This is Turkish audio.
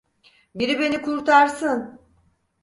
Biri beni kurtarsın!